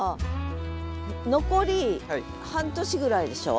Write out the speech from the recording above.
残り半年ぐらいでしょ？